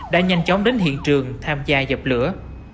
đã nhanh chóng đến hiện trường tham gia dập lửa